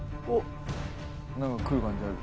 何かくる感じある？